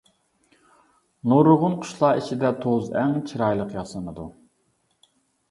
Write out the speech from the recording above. نۇرغۇن قۇشلار ئىچىدە توز ئەڭ چىرايلىق ياسىنىدۇ.